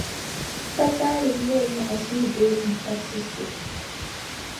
pa taali n nyɛ li ni a shihi bee n tabisi so.